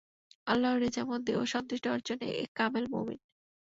আল্লাহর রেযামন্দি ও সন্তুষ্টি অর্জনে এক কামেল মুমিন।